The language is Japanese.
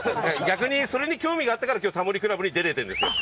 逆にそれに興味があったから今日『タモリ倶楽部』に出れてるんですよ。